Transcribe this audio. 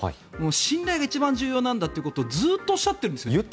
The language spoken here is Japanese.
信頼が一番重要なんだということをずっとおっしゃっているんです。